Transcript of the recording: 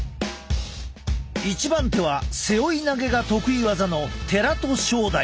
一番手は背負い投げが得意技の寺戸将大。